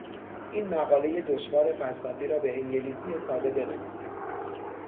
این مقالهی دشوار فلسفی رابه انگلیسی ساده بنویسید.